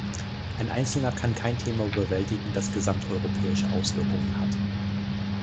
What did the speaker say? Ein Einzelner kann kein Thema bewältigen, das gesamteuropäische Auswirkungen hat.